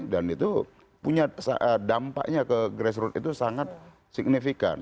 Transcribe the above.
dan itu punya dampaknya ke grassroot itu sangat signifikan